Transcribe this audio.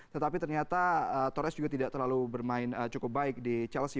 tetapi ternyata torres juga tidak terlalu bermain cukup baik di chelsea